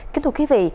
kính thưa quý vị